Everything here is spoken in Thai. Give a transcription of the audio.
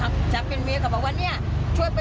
ตรงแง่มเผื่อเลือดมันไม่หยุดแหละค่ะ